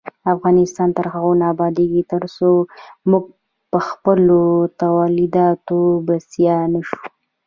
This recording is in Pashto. افغانستان تر هغو نه ابادیږي، ترڅو موږ پخپلو تولیداتو بسیا نشو.